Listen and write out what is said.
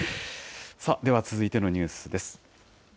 では続いてのニュースです。